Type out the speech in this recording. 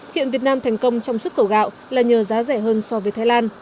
hiện việt nam thành công trong xuất khẩu gạo là nhờ giá rẻ hơn so với thái lan